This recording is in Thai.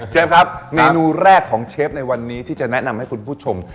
ครับเมนูแรกของเชฟในวันนี้ที่จะแนะนำให้คุณผู้ชม